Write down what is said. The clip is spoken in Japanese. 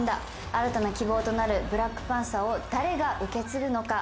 新たな希望となるブラックパンサーを誰が受け継ぐのか。